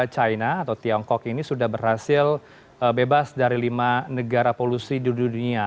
china atau tiongkok ini sudah berhasil bebas dari lima negara polusi di dunia